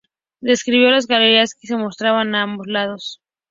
Describió las galerías que se mostraban a ambos lados.